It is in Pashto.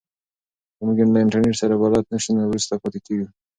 که موږ له انټرنیټ سره بلد نه سو نو وروسته پاتې کیږو.